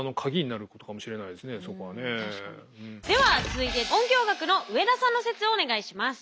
では続いて音響学の上田さんの説をお願いします。